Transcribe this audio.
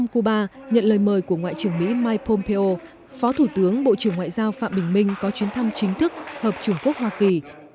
cuba nhận lời mời của ngoại trưởng mỹ mike pompeo phó thủ tướng bộ trưởng ngoại giao phạm bình minh có chuyến thăm chính thức hợp trung quốc hoa kỳ